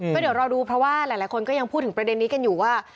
ก็เดี๋ยวรอดูเพราะว่าหลายคนก็ยังพูดถึงประเด็นนี้กันอยู่ว่า